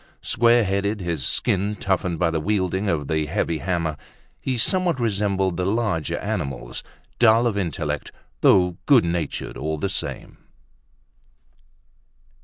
Square headed, his skin toughened by the wielding of the heavy hammer, he somewhat resembled the larger animals: dull of intellect, though good natured all the same.